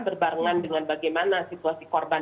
berbarengan dengan bagaimana situasi korban